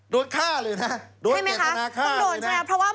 โดนฆ่าเลยนะโดนเจตนาฆ่าเลยนะใช่ไหมคะคุณโดนใช่ไหม